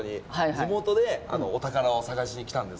地元でお宝を探しに来たんですけど。